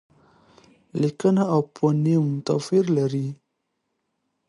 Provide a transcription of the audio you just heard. لیکنه او فونېم توپیر لري.